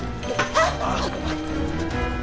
あっ！